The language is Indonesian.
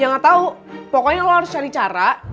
ya nggak tahu pokoknya lo harus cari cara